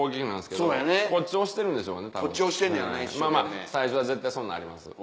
まぁまぁ最初は絶対そうなります。